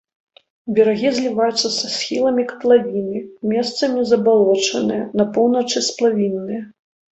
Берагі зліваюцца са схіламі катлавіны, месцамі забалочаныя, на поўначы сплавінныя.